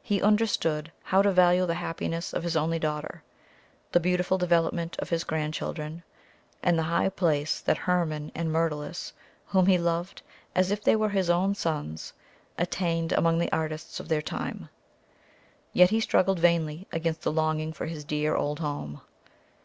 He understood how to value the happiness of his only daughter, the beautiful development of his grandchildren, and the high place that Hermon and Myrtilus, whom he loved as if they were his own sons, attained among the artists of their time. Yet he struggled vainly against the longing for his dear old home.